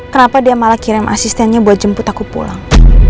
kenapa dia malah kirim asistennya buat jemput aku pulang